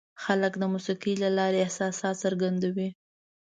خلک د موسیقۍ له لارې احساسات څرګندوي.